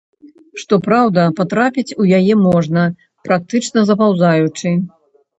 Што праўда, патрапіць у яе можна, практычна запаўзаючы.